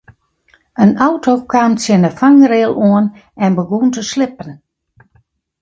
In auto kaam tsjin de fangrail oan en begûn te slippen.